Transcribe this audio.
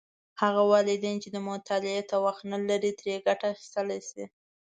هغه والدین چې مطالعې ته وخت نه لري، ترې ګټه اخیستلی شي.